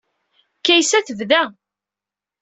Kaysa tebda.